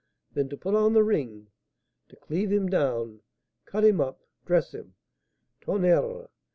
then to put on the ring, to cleave him down, cut him up, dress him, _Tonnerre!